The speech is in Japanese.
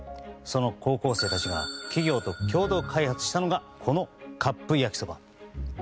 その高校生たちが企業と共同開発したのがこのカップ焼きそば。